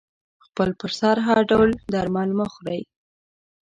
خپل پر سر هر ډول درمل مه خوری